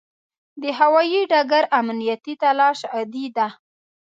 د هوایي ډګر امنیتي تلاشي عادي ده.